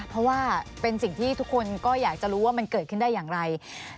เพราะว่าเป็นสิ่งที่ทุกคนก็อยากจะรู้ว่ามันเกิดขึ้นได้อย่างไร